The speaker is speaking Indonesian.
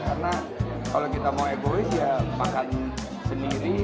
karena kalau kita mau egois ya makan sendiri